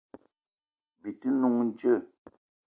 Bi te n'noung djeu?